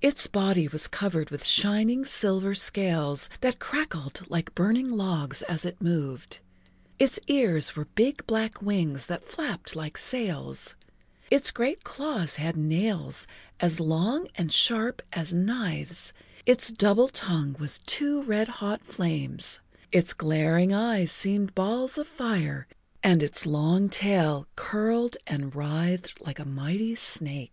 Its body was covered with shining silver scales that crackled like burning logs as it moved, its ears were big black wings that flapped like sails, its great claws had nails as long and sharp as knives, its double tongue was two red hot flames, its glaring eyes seemed balls of fire and its long tail curled and writhed like a mighty snake.